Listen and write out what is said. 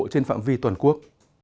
trên phạm vi toàn quốc